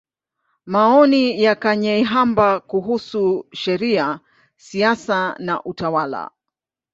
Maoni ya Kanyeihamba kuhusu Sheria, Siasa na Utawala.